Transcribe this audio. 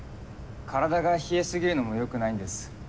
体が冷えすぎるのもよくないんです。